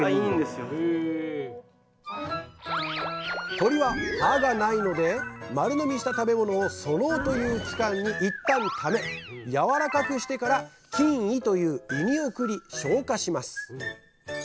鶏は歯が無いので丸飲みした食べ物を「嚢」という器官に一旦ためやわらかくしてから「筋胃」という胃に送り消化します。